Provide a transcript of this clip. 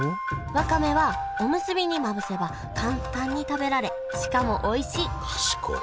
わかめはおむすびにまぶせば簡単に食べられしかもおいしい賢い。